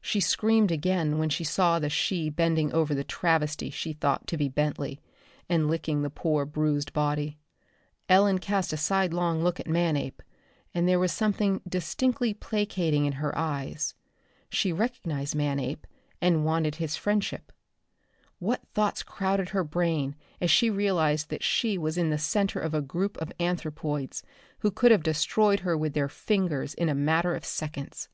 She screamed again when she saw the she bending over the travesty she thought to be Bentley, and licking the poor bruised body. Ellen cast a sidelong look at Manape, and there was something distinctly placating in her eyes. She recognized Manape, and wanted his friendship. What thoughts crowded her brain as she realized that she was in the center of a group of anthropoids who could have destroyed her with their fingers in a matter of seconds!